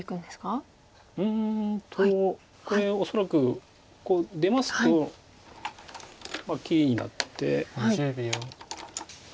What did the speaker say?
うんとこれ恐らくこう出ますと切りになって。